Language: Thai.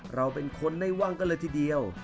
เราเป็นคนได้ว่างกันเลยทีเดียว